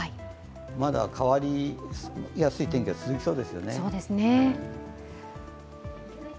まだ変わりやすい天気が続きそうですね。